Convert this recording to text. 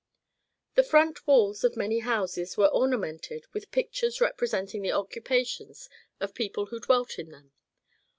The front walls of many houses were ornamented with pictures representing the occupations of people who dwelt in them.